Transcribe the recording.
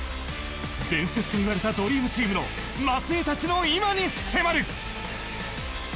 伝説といわれたドリームチームの末えいたちの今に迫る！